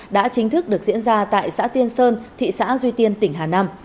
đã chính thức được diễn ra tại xã tiên sơn thị xã duy tiên tỉnh hà nam